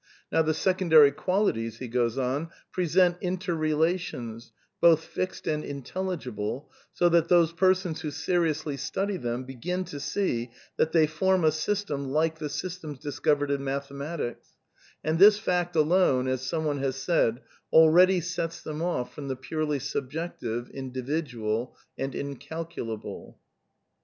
^ Now the secondary qualities present interrelations, both fixed and intellifi^ible, so that those persons who seriously study them b^^in to see that th^ form a system like the systems dis covered in mathematics; and this fact alone, as some one has said, already sets them off from the purely ^subjective,' indi vidual and incalculable."